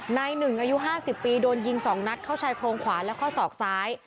นายหนึ่งอายุ๕๐ปีโดนยิง๒นัดเข้าชายโครงขวาและข้อศอกซ้าย